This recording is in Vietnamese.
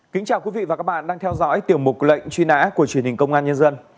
kính chào quý vị và các bạn đang theo dõi tiểu mục lệnh truy nã của truyền hình công an nhân dân